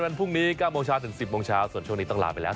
วันพรุ่งนี้๙โมงเช้าถึง๑๐โมงเช้าส่วนช่วงนี้ต้องลาไปแล้ว